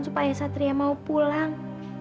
supaya satria mau pulang